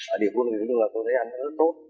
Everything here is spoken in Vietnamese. ở địa quốc nói chung là tôi thấy anh rất tốt